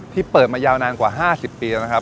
เปิดมายาวนานกว่า๕๐ปีแล้วนะครับ